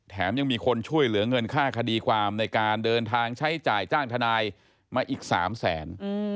ยังมีคนช่วยเหลือเงินค่าคดีความในการเดินทางใช้จ่ายจ้างทนายมาอีก๓แสน